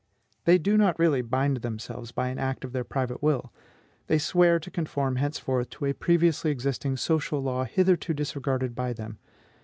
They do not really bind themselves by an act of their private will: they swear to conform henceforth to a previously existing social law hitherto disregarded by them.